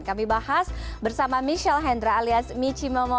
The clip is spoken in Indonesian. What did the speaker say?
kami bahas bersama michelle hendra alias michi momo